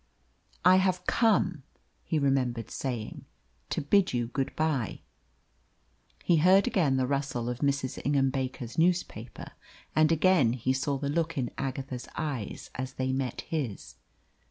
"I have come," he remembered saying, "to bid you good bye." He heard again the rustle of Mrs. Ingham Baker's newspaper, and again he saw the look in Agatha's eyes as they met his.